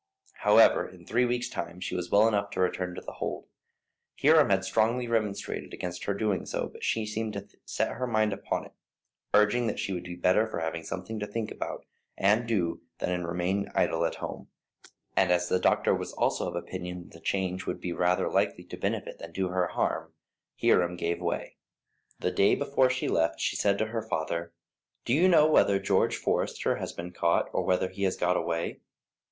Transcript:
However, in three weeks' time she was well enough to return to The Hold. Hiram had strongly remonstrated against her doing so, but she seemed to set her mind upon it, urging that she would be better for having something to think about and do than in remaining idle at home; and as the doctor was also of opinion that the change would be rather likely to benefit than to do her harm, Hiram gave way. The day before she left she said to her father: "Do you know whether George Forester has been caught, or whether he has got away?"